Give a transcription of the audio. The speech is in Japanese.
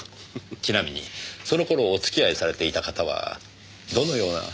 ちなみにその頃お付き合いされていた方はどのような？